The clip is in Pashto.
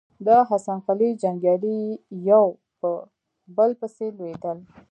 د حسن قلي جنګيالي يو په بل پسې لوېدل.